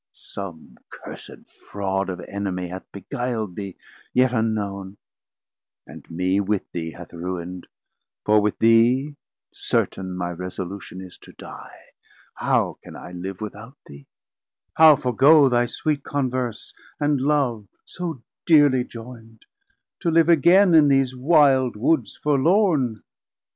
som cursed fraud Of Enemie hath beguil'd thee, yet unknown, And mee with thee hath ruind, for with thee Certain my resolution is to Die; How can I live without thee, how forgoe Thy sweet Converse and Love so dearly joyn'd, To live again in these wilde Woods forlorn?